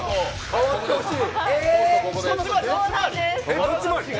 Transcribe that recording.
変わってほしい。